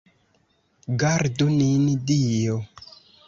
Gardu nin Dio!